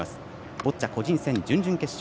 ボッチャ個人戦、準々決勝